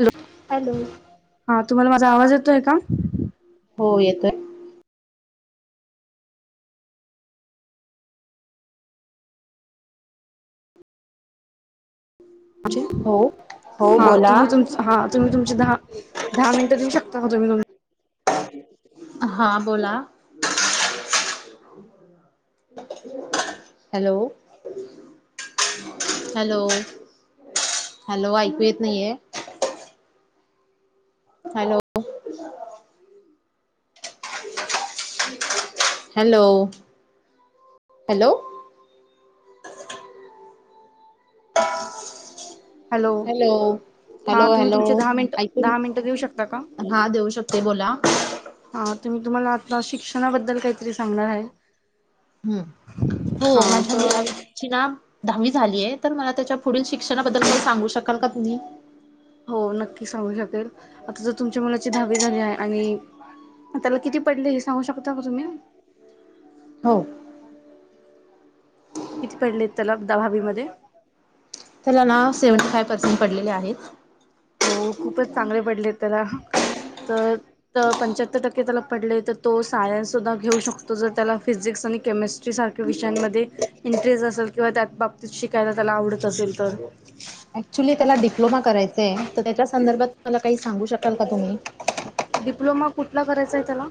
Hello hello. हा तुम्हाला माझा आवाज येतोय का हो येतोय हो. हो हा बोला. तुम्ही तु हा तुम्ही तुमची दहा दहा मिनट देऊ शकता तुम्ही तुम हा बोला हॅलो हॅलो. हॅलो ऐकू येत नाहीये? हॅलो. [inaudible] हॅलो. हॅलो? हॅलो. हा हॅलो तुम्ही हॅलो तुमचे दहा मिनिट ऐकू दहा मिनिटं देऊ शकता का ना- हा देऊ शकते बोला. हा. तर मी तुम्हाला आता शिक्षणाबद्दल काहीतरी सांगणार आहे. हम्म. हो हा माझ्या तर मुला- - ची ना दहावी झालीय. तर मला त्याच्या पुढील शिक्षणाबद्दल काही सांगू शकाल का तुम्ही? हो नक्की सांगू शकेल. आता जर तुमच्या मुलाची दहावी झाली आहे आणि- त्याला किती पडले हे सांगू शकता का तुम्ही? हो. किती पडले आहेत त्याला दहावीमध्ये? त्याला ना सेव्हन्टी फाय पर्सेंट पडलेले आहेत. हो खूपच चांगले पडलेत त्याला. तर- तर पंच्याहत्तर टक्के त्याला पडले तर तो सायन्स सुद्धा घेऊ शकतो जर त्याला फिजिक्स आणि केमिस्ट्री- सारख्या विषयांमध्ये इंटरेस्ट असेल किंवा त्या बाबतीत शिकायला त्याला आवडत असेल तर- ऍक्च्युली त्याला डिप्लोमा करायचाय. तर त्याच्या संदर्भात मला काही सांगू शकाल का तुम्ही? डिप्लोमा कुठला करायचा आहे त्याला?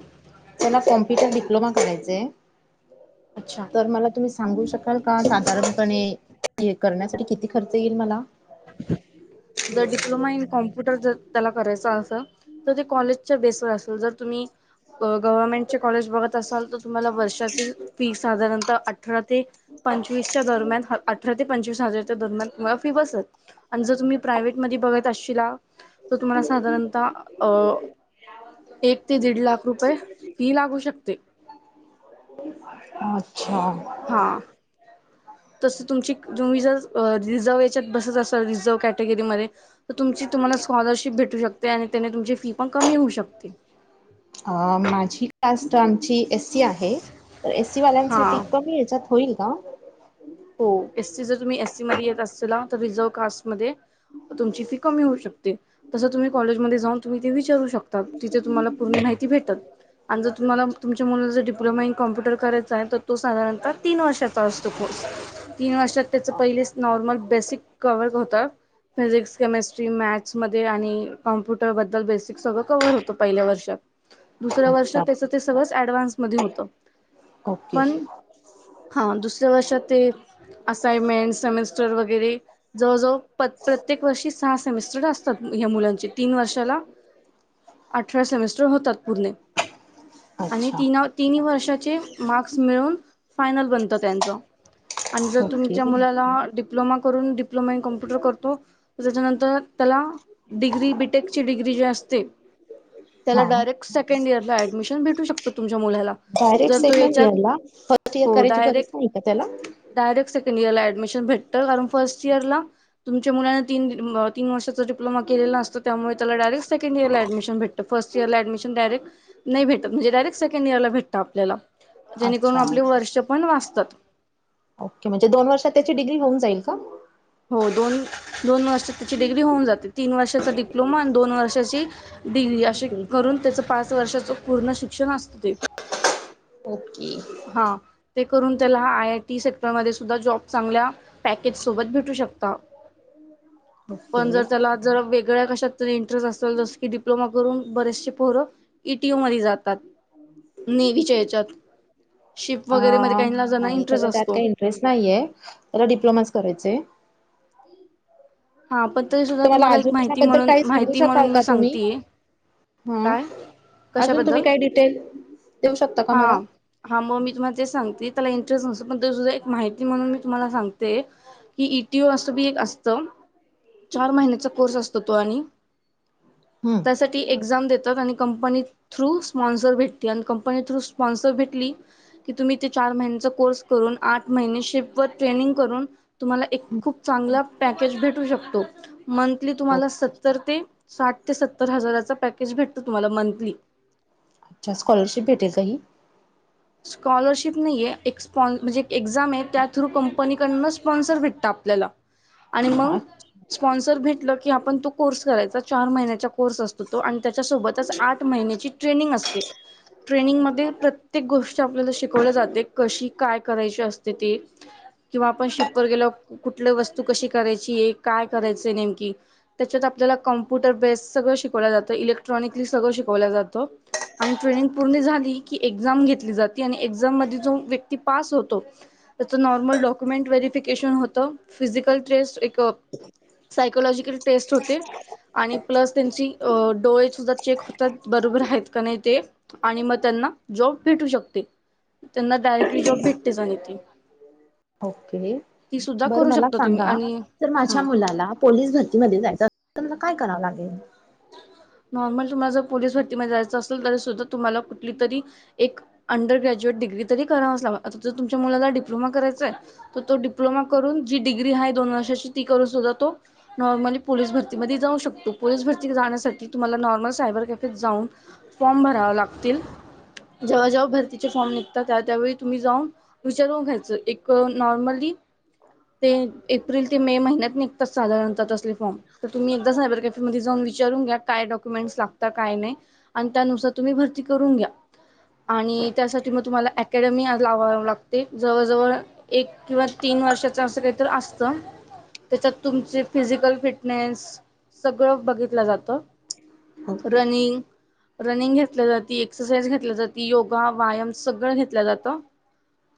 त्याला कॉम्प्युटर डिप्लोमा करायचाय. अच्छा तर मला तुम्ही सांगू शकाल का? साधारणपणे- हे करण्यासाठी किती खर्च येईल मला? जर डिप्लोमा इन कॉम्प्युटर जर त्याला करायच असं- ते कॉलेजच्या बेसवर असेल. जर तुम्ही- गव्हर्नमेंटचे कॉलेज बघत असाल तर तुम्हाला वर्षाचे- फी साधारणतः अठरा ते पंचवीसच्या दरम्यान, अठरा ते पंचवीस हजारच्या दरम्यान- माफी बसत. आणि जर तुम्ही प्रायव्हेटमध्ये बघत असशिला तर तुम्हाला साधारणतः अ- एक ते दीड लाख रुपये फी लागू शकते. अच्छा. हां. तस तुमची तुम्ही जर रिझर्व्ह याच्यात बसत असाल रिझर्व्ह कॅटेगरीमध्ये- तर तुमची तुम्हाला स्कॉलरशिप भेटू शकते आणि त्याने तुमची फी पण कमी होऊ शकते. अ माझी कास्ट आमची एस- सि आहे. तर एस सी वाल्यांसाठी हां कमी ह्याच्यात होईल का? हो एस सी, जर तुम्ही एससी मध्ये येत असशिला तर रिझर्व कास्टमध्ये- तुमची फी कमी होऊ शकते. तसं तुम्ही कॉलेजमध्ये जाऊन तुम्ही ते विचारू शकता. तिथ तुम्हाला पूर्ण माहिती भेटल. आणि जर तुम्हाला, तुमच्या मुला जर डिप्लोमा इन कॉम्प्युटर करायच आहे तर- तो साधारणतः तीन वर्षाचा असतो कोर्स. तीन वर्षात त्याच पहिलेच नॉर्मल बेसिक कव्हर होत. फिजिक्स, केमिस्ट्री, मॅथ्समध्ये आणि कॉम्प्युटरबद्दल बेसिक सगळं कव्हर होतं पहिल्या वर्षात. दुसऱ्या वर्षात अच्छा त्याच ते सगळच ऍडव्हान्स मध्ये होत. ओके पण- हा दुसऱ्या वर्षात ते असाईनमेंट सेमिस्टर वगैरे- जवळजवळ प्रत्येक वर्षी सहा सेमेस्टर असतात या मुलांचे. तीन वर्षाला- अठरा सेमिस्टर होतात पुूर्ण. आणि अच्छा तीन तिन्ही वर्षाचे मार्क्स मिळून फायनल बनतं त्यांचं. आणि जर ओके तुमच्या मुलाला डिप्लोमा करून, डिप्लोमा इन कॉम्प्युटर करतो- तर त्याच्यानंतर त्याला डिग्री, बीटेक ची डिग्री जी असते त्याला हा डायरेक्ट सेकंड इयरला ऍडमिशन भेटू शकत तुमच्या मुलाला. डायरेक्ट जर तो सेकंड याच्यात इयर ला फर्स्ट इयर हो करायची डायरेक्ट गरज नाही का त्याला. डायरेक्ट सेकंड इयरला ऍडमिशन भेटत कारण फर्स्ट इयरला तुमच्या मुलांना तीन तीन वर्षां डिप्लोमा केलेला असतो त्यामुळे त्याला डायरेक्ट सेंकड इयरला ऍडमिशन भेटत फर्स्ट इयरला ऍडमिशन डायरेक्ट नाही भेटत म्हणजे डायरेक्ट सेकंड इयरला भेटत आपल्याला जेणेकरून अच्छा आपले अच्छा वर्ष पण वाचतात. ओके म्हणजे दोन वर्षात त्याची डिग्री होऊन जाईल का? हो दोन-दोन वर्षात त्याची डिग्री होऊन जाते तीन वर्षाचा डिप्लोमा आणि दोन वर्षाची डिग्री असे करून त्याच पाच वर्षाच पूर्ण शिक्षण असत ते. ओके. हां ते करून त्याला आय आय टी सेक्टरमध्ये सुद्धा जॉब चांगल्या पॅकेज सोबत भेटू शकत, पण जर ओके त्याला जर वेगळ्या कशात तर इंटरेस्ट असेल जस की डिप्लोमा करून बरेचसे पोरं ई टी यू मध्ये जातात. नेवीच्या याच्यात शिप अ वगैरे मध्ये काहीना जण नाही इंटरेस्ट त्याला त्यात असतो काही इंटरेस्ट नाहीयाय त्याला डिप्लोमाच करायचाय. हां पण तो जो तर मला अजून त्याच्याबद्दल काही सांगू शकाल मी का तुम्ही? सांगतेय हां काय अजून तुम्ही कशाबद्दल काय डिटेल देऊ शकता का मला. हां मग मी तुम्हाला तेच सांगते त्याला इंटरेस्ट नसतो पण तरी सुद्धा एक माहिती म्हणून मी तुम्हाला सांगते. की इ टी ओ असं बी एक असतं. चार महिन्याचा कोर्स असतो तो आणि हम्म. त्यासाठी एक एक्झाम देतात आणि कंपनी थ्रू स्पॉन्सर भेटते आणि कंपनी थ्रू स्पॉन्सर भेटली कि तुम्ही ते चार महिन्याचा कोर्स करून, आठ महिने शिफ वर ट्रेनिंग करून तुम्हाला एक हं. खूप चांगला पॅकेज भेटू शकतो. मंथली तुम्हाला ओके सत्तर ते साठ ते सत्तर हजाराचा पॅकेज भेटतो तुम्हाला मंथली. अच्छा स्कॉलरशिप भेटेल का ही. स्कॉलरशिप नाहीेयाय एक स्पा म्हणजे एक एक्झाम आहे त्या थ्रू कंपनीकडनं स्पॉन्सर भेटतं आपल्याला. आणि मग अच्छा स्पॉन्सर भेटल की आपण तो कोर्स करायचा चार महिन्याच्या कोर्स असतो तो आणि त्याच्यासोबतच आठ महिन्याची ट्रेनिंग असते ट्रेनिंगमध्ये प्र प्रत्येक गोष्ट आपल्याला शिकवल्या जाते कशी काय करायची असते ती किंवा आपण शिफवर गेल्यावर कुठली वस्तू कशी करायची आहे, काय करायचीय नेमकी. त्याच्यात आपल्याला कॉम्प्युटर बेस सगळं शिकवलं जातं इलेक्ट्रॉनिकली सगळ शि कवला जातो. आणि ट्रेनिंग पूर्ण झाली की एक एक्झाम घेतली जाते आणि एक्झाम मध्ये जो व्यक्ती पास होतो त्याचं नॉर्मल डॉक्युमेंट व्हेरिफिकेशन होतं फिजिकल टेस्ट एक सायकोलॉजिकल टेस्ट होते. आणि प्लस त्यांची डोळे सुद्धा चेक होतात बरोबर आहेत का नाही ते. आणि मग त्यांना जॉब भेटू शकते त्यांना डायरेक्टली जॉब भेटतेच आणि ती. ओके! ती सुद्धा बरं करू मला शकता तुम्ही सांगा आणि तर माझ्या हम्म. मुलाला पोलीस भरतीमध्ये जायचं असेल तर त्याला काय करावं लागेल? नॉर्मल तुम्हाला जर पोलीस भरतीमध्ये जायचं असेल तरी सुद्धा तुम्हाला कुठली तरी एक अंडर ग्रॅज्युएट डिग्री तरी करांवच लागणार आता जर तुमच्या मुलाला डिप्लोमा करायचाय तर तो डिप्लोमा करून जी डिग्री आहे दोन वर्षाची ती करून सुद्धा तो नॉर्मली पोलीस भरतीमध्ये जाऊ शकतो. पोलीस भरती जाण्यासाठी तुम्हाला नॉर्मल सायबर कॅफेत जाऊन फॉर्म भरावे लागतील. जेव्हा-जेव्हा भरतीचे फॉर्म निघतात त्या-त्यावेळी तुम्ही जाऊन विचारुन घ्यायचं. एक नॉर्मली ते एप्रिल ते मे महिन्यात निघतात साधारणता तसले फॉर्म. तर तुम्ही एकदा सायबर कॅफेमध्ये जाऊन वि काय डॉक्युमेंट लागतात काय नाही तर त्यानुसार तुम्ही भरती करून घ्या. आणि त्यासाठी मग तुम्हाला अकॅडमी लावावी लागते जवळजवळ एक किंवा तीन वर्षाच अस काहीतर असत. त्याच्यात तुमचे फिजिकल फिटनेस सगळं बघित लाल जात ओके रनिंग रनिंग घेतली जाती, एक्सरसाइज घेतली जाते, योगा, व्यायाम सगळं घेतलं जातं.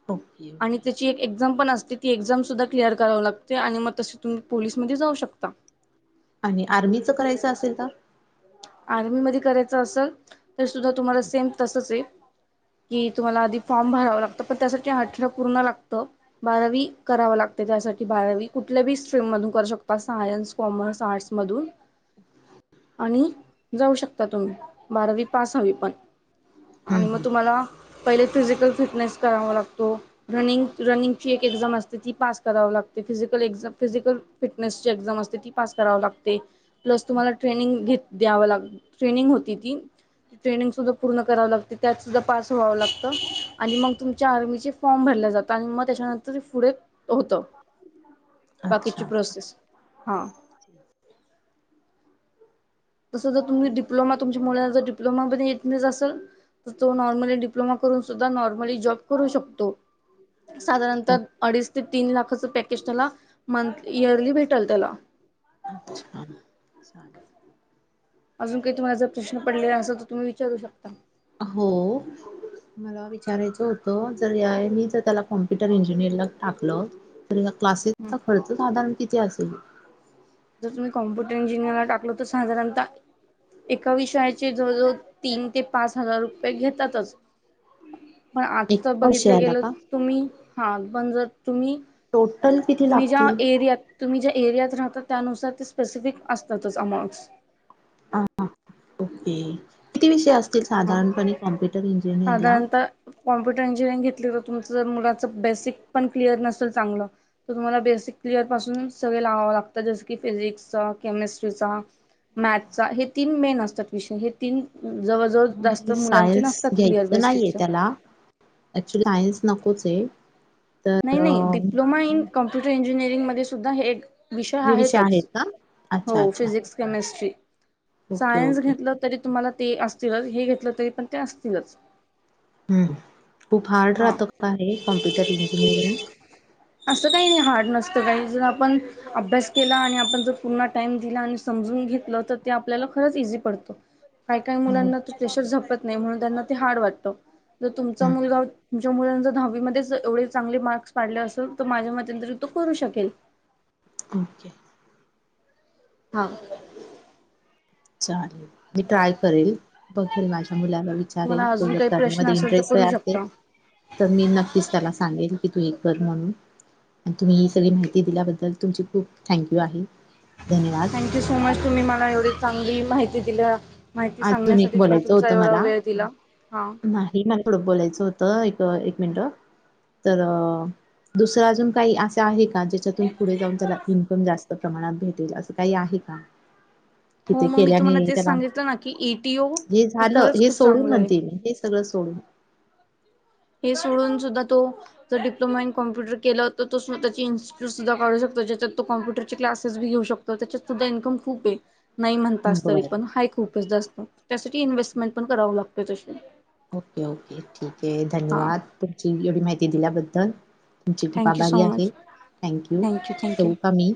टोकियो आणि त्याची एक एक्झाम पण असते ती एक्झामसुद्धा क्लिअर करावी लागते आणि मग तसे तुम्ही पोलीस मध्ये जाऊ शकता. आणि आर्मीच करायचं असेल तर आर्मीध्ये करायच असेल तरी सुद्धा तुम्हांला सेम तसच आहे. कि तुम्हाला आधी फॉर्म भरावं लागतं पण त्यासाठी अठरा पूर्ण लागतं. बारावी कराव लागते त्यासाठी बारावी कुठल्या बी स्ट्रीम मधून करू शकता सायन्स कॉमर्स, आर्ट्समधून आणि जाऊ शकता तुम्ही बारावी पास हवी पण हं आणि मग हं तुम्हांला पहिले फिजिकल फिटनेस करावा लागतो. रनिंग रनिंग ची एक एक्झाम असते ती पास करावी लागते फिजिकल एक्झाम फिजिकल फिटनेसची एक्झाम असते ती पास करावी लागते, प्लस तुम्हांला ट्रेनिंग घेत द्याव लाग ट्रेनिंग होती ती. ट्रेनिंग सुधा पूर्ण कराव लागते त्यात सुद्धा पास व्हावं लागत आणि मग तुमच्या आर्मीची फॉर्म भरला जातो आणि मग त्याच्यानंतर पुढे होत. बाकीची अच्छा प्रोसेस हां. [inaudible] तस जर तुम्ही डिप्लोमा तुमच्या मुली जर डप्लोमा पण असल तर तो नॉर्मली डिप्लोमा करून सुद्धा नॉर्मली जॉब करू शकतो. साधारणतः ओके अडीच ते तीन लाखाचं पॅकेज त्याला मंथ इयरली भेटेल त्याला. अच्छा! चालल. अजून काही तुम्हाला जर प्रश्न पडलेले असल तर तुम्ही विचारू शकता. हो. [inaudible] मला विचारायचं होतं जर या मी जर त्याला कॉम्प्युटर इंजिनिअर ला टाकलं तर या क्लासेसचा खर्च साधारण किती असेल? जर तुम्ही कम्पुटरं इंजिनिअरला टाकलं तर साधारणतः एका विषयाचे जवळ-जवळ तीन ते पाच हजार रुपये घेतातच. पण आजच एका बघितलं विषयाला गेलं का तर तुम्ही हां पण जर तुम्ही टोटल किती? तुम्ही ज्या लागतील एरियात तुम्ही ज्या एरियात राहताात त्यानुसार ते स्पेसिफिक असतातच अमाउंट्स. ह ओके किती विषय असतील हा साधारणपणे कॉम्प्युटर इंजिनिअर ला? साधारणतः कॉम्प्युटर इंजिनिअरिंग घेतली तर तुमचं जर मुलाच बेसिक पण क्लिअर नसेल चांगलं तर तुम्हाला बेसिक क्लिअर पासून सगळे लावावं लागतात जस की फिजिक्सचा, केमेस्ट्रीचा मॅथ्सचा हे तीन मेन असतात विषय हे तीन जवळजवळ जास्त नाही मुलांचे सायन्स नसतात क्लिअर घ्यायच नाहीेये बेसिकच्या त्याला ऍक्च्युली सायन्स नकोच आहे. तर नाही नाही अ, डिप्लोमा इन कॉम्प्युटर इंजिनिअरिंग मध्ये सुद्धा हे विषय हे आहेत आहेतच का अच्छा हो अच्छा physics, chemistry, okay science okay घेतलं तरी तुम्हांला ते असतीलच, हे घेतलं तरी पण ते असतीलच. हम खूप हार्ड हां राहतो का हे कॉम्प्युटर इंजिनिअरिंग असं काही नाही. हार्ड नसतं काही जर, आपण अभ्यास केला आणि आपण जर पूर्ण टाइम दिला आणि समजून घेतलं तर ते आपल्याला खरंच इझी पडत. काही काही मुलांना तर अच्छा. प्रेशर झेपत नाही म्हणून त्यांना ते हार्ड वाटतं. तर तुमचा हं, मुलगा हं. तुमच्या मुलांने जर दहावीमध्येच एवढे चांगले मार्क्स पाडले असेल तर माझ्या मतें तरी तो करू शकेल. ओके! हा! चालेल. मी ट्राय करेल बघर माझ्या मुलाला विचारेल तुम्हाला तो अजून जर काही प्रश्न करण्यामध्ये असेल तर इंटरेस्ट करू असेल. शकता. तर मी नक्कीच त्याला सांगेल की तू एक कर म्हणून, आणि तुम्ही ही सगळी माहिती दिल्याबद्दल तुमची खूप थँंक यू आहे. धन्यवाद! सज तुम्ही मला एवढी चांगली माहिती दिली. माहिती अजून एक सांगण्यासाठी तुम्ही बोलायचं तुमचा होतं एवढा मला वेळ दिला. हा! नाही म थोडं बोलायचं होतं एक एक मिनट तर, दुसरं अजून काही असं आहे, का ज्याच्यातून पुढे जाऊन त्याला इन्कम जास्त प्रमाणात भेटेल असं काही आहे का? कि हो ते मग मी केल्याने तुम्हाला तेच त्याला सांगितलं ना! की एटीओ हे झालं खरंच हे खूप सोडून चांगलं आहे. म्हणते मी हे सगळं सोडून. हे सोडून सुद्धा तो, जर डप्लो इन कॉ्प्युटर के तर तो स्वतः इनस्टूट सुद्ध काढू शकत जच्यात कॅम्पुटर चे क्लासेस सुद्धा घेऊ शको. तर त्याच्यात सुद्धा इनकम खूप आहे. नाही म्हणत अस तरी बरं पण हा खूपच असतं, त्यासाठी इन्व्हेस्टमेंट पण करावं लागतोय तशी ओके ओके ठीक आहे हा धन्यवाद तुमची एवढी माहिती दिल्याबद्दल. तुमची खूप थँक्यू आभारी सो आहे. मच थँक्यू ठेऊ का मी,